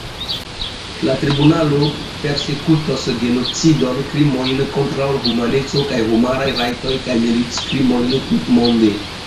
La tribunalo persekutos genocidon, krimojn kontraŭ humaneco kaj homaj rajtoj kaj militkrimojn, tutmonde.